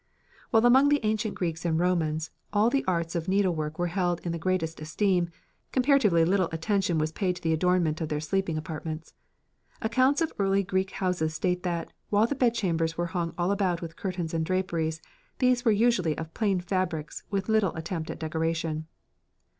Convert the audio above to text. While among the ancient Greeks and Romans all the arts of the needle were held in the greatest esteem, comparatively little attention was paid to the adornment of their sleeping apartments. Accounts of early Greek houses state that, while the bedchambers were hung all about with curtains and draperies, these were usually of plain fabrics with little attempt at decoration.